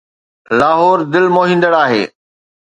لاهور دل موهيندڙ آهي.